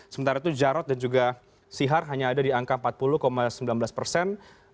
sementara itu jarod dan juga sihar hanya ada di angka empat puluh sembilan belas persen